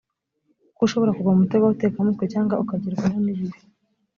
kuko ushobora kugwa mu mutego w abatekamutwe cyangwa ukagerwaho n ibibi